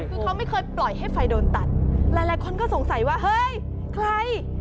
คือเขาไม่เคยปล่อยให้ไฟโดนตัดหลายคนก็สงสัยว่าเฮ้ยใคร